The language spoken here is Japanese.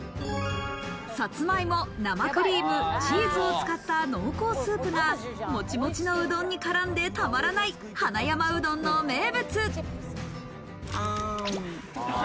さつまいも、生クリーム、チーズを使った濃厚スープがもちもちのうどんに絡んでたまらない花山うどんの名物。